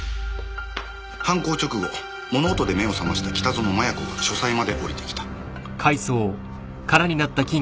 犯行直後物音で目を覚ました北薗摩耶子が書斎まで下りてきた。